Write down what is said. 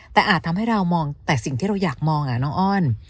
แต่อาจทำให้เรามองแต่สิ่งที่เราอยากมองน้องอ้อน